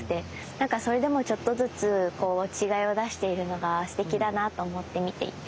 なんかそれでもちょっとずつ違いを出しているのがすてきだなと思って見ていて。